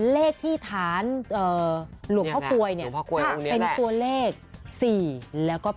เลขที่ฐานหลวงพ่อกลวยเนี่ยเป็นตัวเลข๔แล้วก็๘